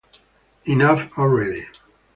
Enough already.